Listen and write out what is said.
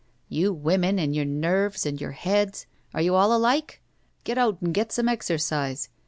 "You women and your nerves and your heads! Are you all alike? Get out and get some exercise.